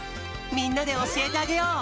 みんなでおしえてあげよう。